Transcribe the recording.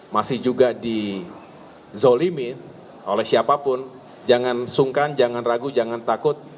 masih juga dizolimi oleh siapapun jangan sungkan jangan ragu jangan takut